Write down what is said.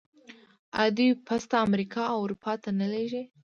آیا دوی پسته امریکا او اروپا ته نه لیږي؟